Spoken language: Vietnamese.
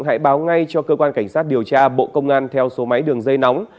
hãy báo ngay cho cơ quan cảnh sát điều tra